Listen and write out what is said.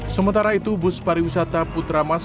sementara itu bus pariwisata putra mas